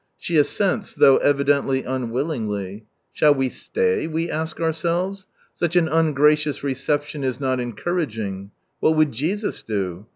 She assents, though evidently unwillingly. Shall we stay? we ask ourselves ; such an ungracious reception is not encouraging. What would Jesus do?